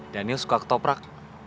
danil suka ketoprak